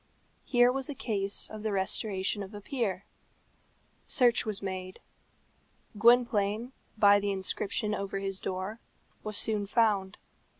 Here was a case of the restoration of a peer. Search was made. Gwynplaine, by the inscription over his door, was soon found.